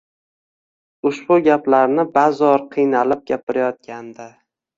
Ushbu gaplarni bazo'r qiynalib gapirayotgandi